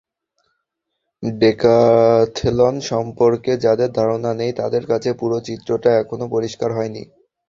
Decathlon সম্পর্কে যাঁদের ধারণা নেই, তাঁদের কাছে পুরো চিত্রটা এখনো পরিষ্কার হয়নি।